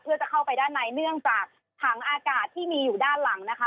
เพื่อจะเข้าไปด้านในเนื่องจากถังอากาศที่มีอยู่ด้านหลังนะคะ